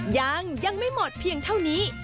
ยังยังไม่หมดเพียงเท่านี้